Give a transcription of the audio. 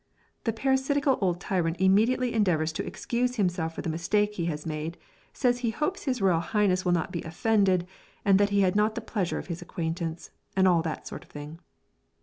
The parasitical old tyrant immediately endeavours to excuse himself for the mistake he has made; says he hopes his royal highness will not be offended, that he had not the pleasure of his acquaintance, and all that sort of thing.